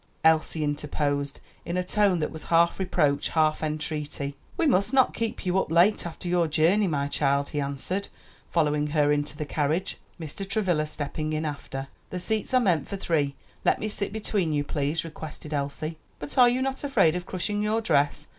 Elsie interposed, in a tone that was half reproach, half entreaty. "We must not keep you up late after your journey, my child," he answered, following her into the carriage, Mr. Travilla stepping in after. "The seats are meant for three; let me sit between you, please," requested Elsie. "But are you not afraid of crushing your dress?"